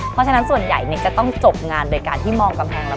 เพราะฉะนั้นส่วนใหญ่จะต้องจบงานโดยการที่มองกำแพงแล้ว